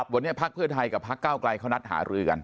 วันนี้ภักดิ์เพื่อไทยกับพักเก้าไกลเขานัดหารือกัน